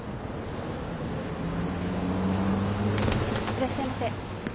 いらっしゃいませ。